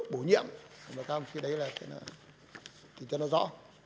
bổ nhiệm và các ông chí đấy là tìm cho nó rõ